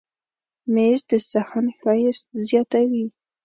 مېز د صحن ښایست زیاتوي.